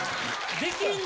できんの？